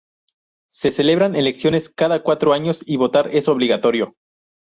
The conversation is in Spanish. Se celebran elecciones cada cuatro años y votar es obligatorio.